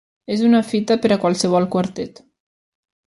És una fita per a qualsevol quartet.